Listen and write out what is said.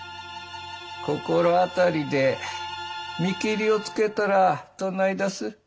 ここら辺りで見切りをつけたらどないだす？